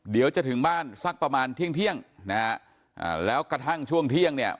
เดี๋ยวจะถึงบ้านสักประมาณเที่ยงแล้วกระทั่งช่วงเที่ยง